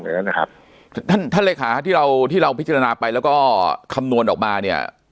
อย่างนั้นนะครับท่านท่านเลขาที่เราที่เราพิจารณาไปแล้วก็คำนวณออกมาเนี่ย